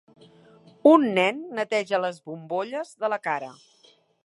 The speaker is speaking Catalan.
un nen neteja les bombolles de la cara.